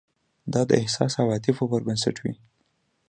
دا د احساس او عواطفو پر بنسټ وي.